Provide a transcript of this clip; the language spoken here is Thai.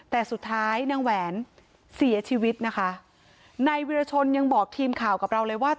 แต่สุดท้ายนางแหวนเสียชีวิตนะคะนายวิรชนยังบอกทีมข่าวกับเราเลยว่า